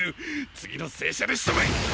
次の斉射でしとめ！！